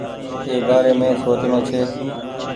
اي بآري سوچڻو ڇي۔